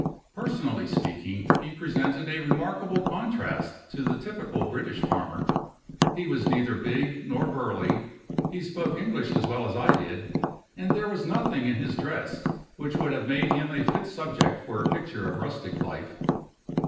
Personally speaking, he presented a remarkable contrast to the typical British farmer. He was neither big nor burly; he spoke English as well as I did; and there was nothing in his dress which would have made him a fit subject for a picture of rustic life.